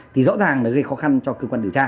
thì rõ ràng là gây khó khăn cho cơ quan điều tra